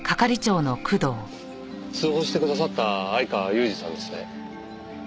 通報してくださった相川裕治さんですね？